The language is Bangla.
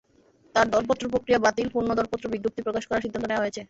তাই দরপত্র প্রক্রিয়া বাতিল, পুনঃদরপত্র বিজ্ঞপ্তি প্রকাশ করার সিদ্ধান্ত নেওয়া হয়েছে।